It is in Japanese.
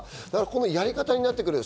やり方になってくる。